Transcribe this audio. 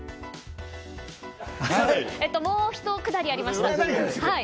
もうひとくだり、ありました。